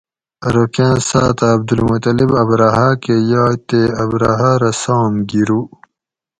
ارو کاۤں ساۤتہ عبدالمطلب ابرھہ کہ یائے تے ابرھہ رہ سام گِرو